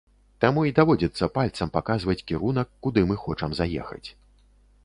Таму і даводзіцца пальцам паказваць кірунак, куды мы хочам заехаць.